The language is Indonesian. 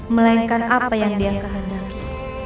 melainkan apa yang dia kehadapi